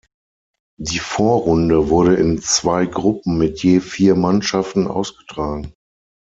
Die Vorrunde wurde in zwei Gruppen mit je vier Mannschaften ausgetragen.